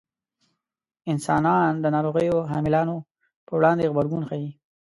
انسانان د ناروغیو حاملانو په وړاندې غبرګون ښيي.